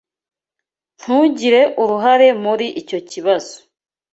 Ntugire uruhare muri icyo kibazo.